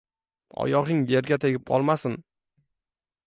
oyog‘ing yerga tegib qolmasin.